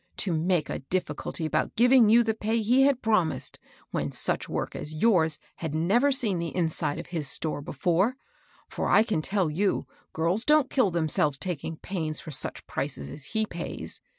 To make a difficulty about giving you the pay he had promised, when such work as yours had never seen the inside of his store before I for I can tell, you girls don't kill themselves taking pains for such prices as he pays.